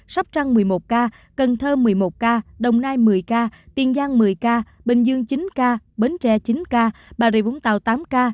sóc trăng một mươi một ca cần thơ một mươi một ca đồng nai một mươi ca tiên giang một mươi ca bình dương chín ca bến tre chín ca bà rịa vũng tàu tám ca